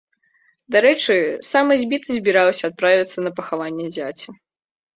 Дарэчы, сам збіты збіраўся адправіцца на пахаванне зяця.